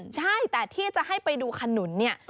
ใช่แต่ที่จะให้ไปดูขนุนเนี่ย